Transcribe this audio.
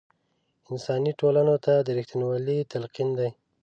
انساني ټولنو ته د رښتینوالۍ تلقین دی.